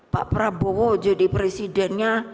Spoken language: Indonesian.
pak prabowo jadi presidennya